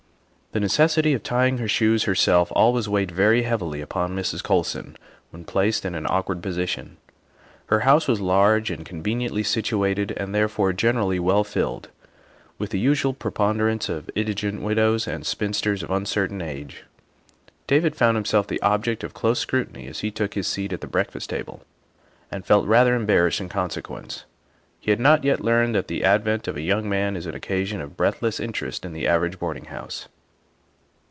The necessity of tying her shoes herself always weighed very heavily upon Mrs. Colson when placed in an awk ward position. Her house was large and conveniently situated and therefore generally well filled, with the usual preponderance of indigent widows and spinsters of uncertain age. David found himself the object of close scrutiny as he took his seat at the breakfast table and felt rather embarrassed in consequence. He had not yet learned that the advent of a young man is an 32 THE WIFE OF occasion of breathless interest in the average boarding house.